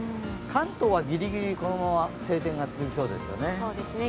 関東は、ギリギリこのまま晴天が続きそうですよね。